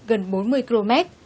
gần bốn mươi km